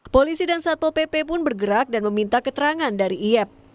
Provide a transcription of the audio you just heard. polisi dan satpol pp pun bergerak dan meminta keterangan dari iep